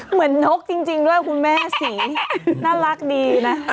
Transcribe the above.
เหมือนนกจริงด้วยคุณแม่สิน่ารักดีนะ